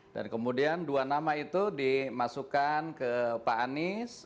dan kemudian dua nama itu dimasukkan ke pak anies